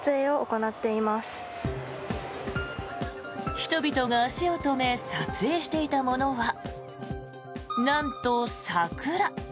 人々が足を止め撮影していたものは、なんと桜。